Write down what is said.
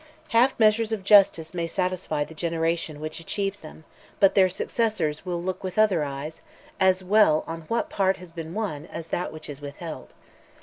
Half measures of justice may satisfy the generation which achieves them, but their successors will look with other eyes, as well on what has been won as on that which is withheld.